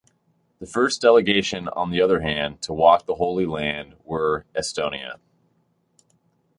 The first delegation on the other hand to walk the Holy Land were Estonia.